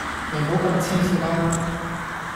你唔好咁痴線啦